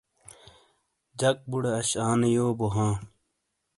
جک بُوڑے اش آنے یو بو ہاں۔